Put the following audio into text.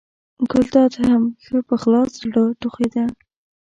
ګلداد هم ښه په خلاص زړه ټوخېده.